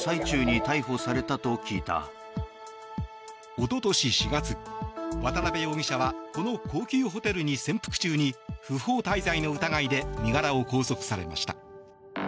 おととし４月、渡邉容疑者はこの高級ホテルに潜伏中に不法滞在の疑いで身柄を拘束されました。